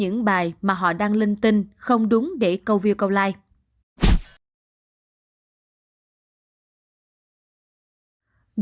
những bài mà họ đang linh tinh không đúng để câu view câu like